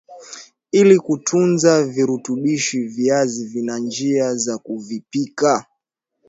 Ili kutunza virutubishi viazi vina njia za kuvipika